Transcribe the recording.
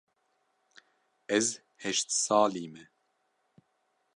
Ez heşt salî me.